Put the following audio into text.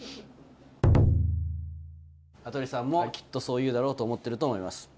羽鳥さんもきっとそう言うだろうと思ってると思います。